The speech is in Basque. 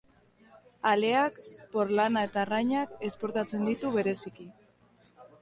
Aleak, porlana eta arrainak esportatzen ditu bereziki.